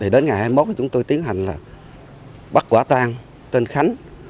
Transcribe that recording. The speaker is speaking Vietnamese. đến ngày hai mươi một chúng tôi tiến hành là bắt quả tang tên khánh